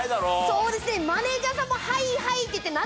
そうですね。